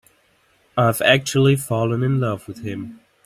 I've actually fallen in love with him.